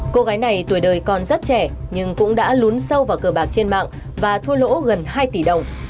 cô gái này tuổi đời còn rất trẻ nhưng cũng đã lún sâu vào cờ bạc trên mạng và thua lỗ gần hai tỷ đồng